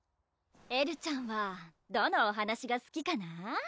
エルちゃんはどのお話がすきかな？